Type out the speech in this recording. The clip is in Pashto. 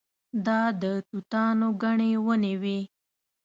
دا د توتانو ګڼې ونې وې.